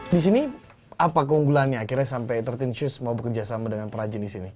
disini apa keunggulannya akhirnya sampai tertin shoes mau bekerjasama dengan perajin